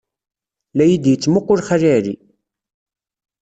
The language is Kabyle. La iyi-d-yettmuqqul Xali Ɛli.